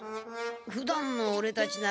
ふだんのオレたちなら。